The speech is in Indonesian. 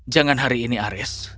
jangan hari ini ares